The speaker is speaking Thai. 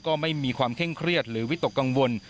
ไม่มีความเคร่งเครียดหรือวิตกกังวล